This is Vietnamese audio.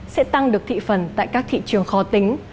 sẽ tăng được thị phần tại các thị trường khó tính